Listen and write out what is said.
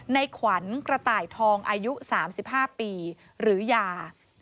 ในขวัญกระต่ายทองอายุ๓๕ปีหรือยา